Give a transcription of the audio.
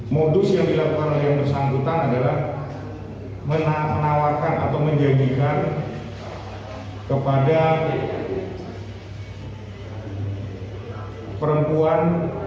modus yang dilakukan oleh yang bersangkutan adalah menawarkan atau menjadikan kepada perempuan